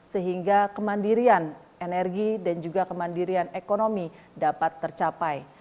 sehingga kemandirian energi dan juga kemandirian ekonomi dapat tercapai